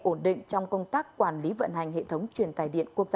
ổn định trong công tác quản lý vận hành hệ thống truyền tài điện quốc gia